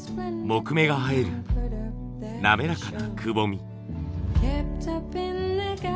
木目が映える滑らかなくぼみ。